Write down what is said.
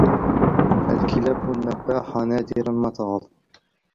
الكلاب النباحة نادراً ما تعض